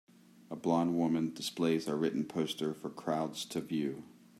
A blond woman displays a written poster for crowds to view.